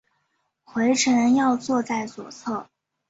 回程要坐在左侧